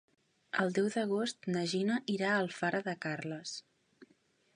El deu d'agost na Gina irà a Alfara de Carles.